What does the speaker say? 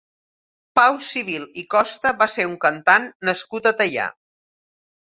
Pau Civil i Costa va ser un cantant nascut a Teià.